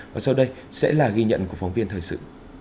và sau đây sẽ là ghi nhận của phóng viên thời sự